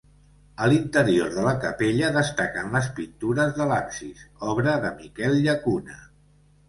A l'interior de la capella destaquen les pintures de l'absis, obra de Miquel Llacuna.